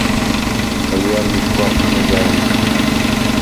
ალჲა̈რ მიშგუ აფხნეგა̈რ ლიხ.